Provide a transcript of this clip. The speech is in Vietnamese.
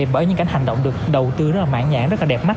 bởi những cảnh hành động được đầu tư rất là mạng nhãn rất là đẹp mắt